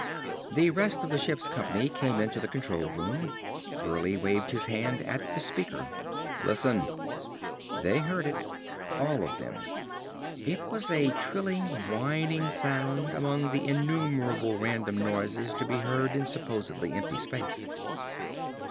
The rest of the ship's company came into the control room. Burleigh waved his hand at the speaker. "Listen!" They heard it. All of them. It was a trilling, whining sound among the innumerable random noises to be heard in supposedly empty space.